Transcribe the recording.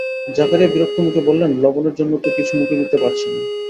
জাকারিয়া বিরক্ত মুখে বললেন, লবণের জন্যে তো কিছু মুখে দিতে পারছি না।